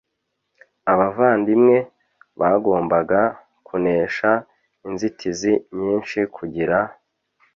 Abavandimwe bagombaga kunesha inzitizi nyinshi kugira